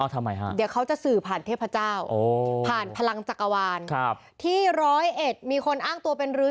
ผมว่าหลายคนคงอยากจะบอกโควิด